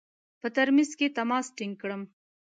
په ترمیز کې تماس ټینګ کړم.